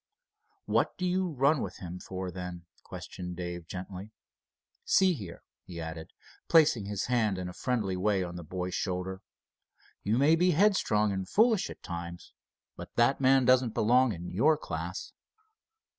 "What do you run with him for, then?" questioned Dave, gently. "See here," he added, placing his hand in a friendly way on the boy's shoulder; "you may be headstrong and foolish at times, but that man doesn't belong in your class."